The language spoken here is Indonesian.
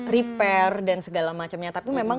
repair dan segala macamnya tapi memang